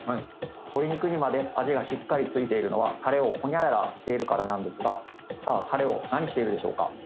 鶏肉にまで味がしっかり付いているのはタレをホニャララしているからなんですがタレを何しているでしょうか？